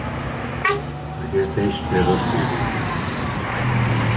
Aquest eix té dos pisos.